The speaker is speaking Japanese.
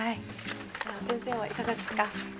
先生はいかがですか？